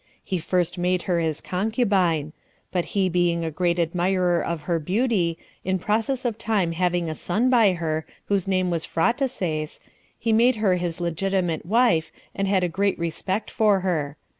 He first made her his concubine; but he being a great admirer of her beauty, in process of time having a son by her, whose name was Phraataces, he made her his legitimate wife, and had a great respect for her.